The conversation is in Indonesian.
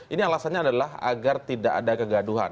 ini alasannya adalah agar tidak ada kegaduhan